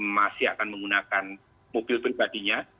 masih akan menggunakan mobil pribadinya